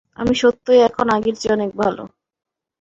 আমি সত্যই এখন আগের চেয়ে অনেক ভাল।